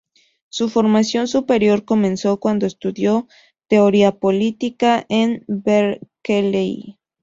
Su formación superior comenzó cuando estudió Teoría Política en Berkeley.